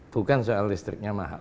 bukan soal listriknya mahal